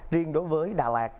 riêng đối với đà lạt